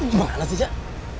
itu gimana sih jack